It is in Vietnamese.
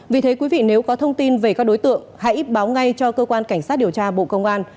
vì thế quý vị nếu có thông tin về các đối tượng hãy báo ngay cho cơ quan cảnh sát điều tra bộ công an